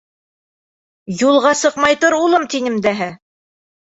— Юлға сыҡмай тор, улым, тинем дәһә.